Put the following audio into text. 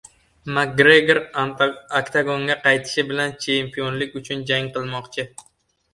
Makgregor oktagonga qaytishi bilan chempionlik uchun jang qilmoqchi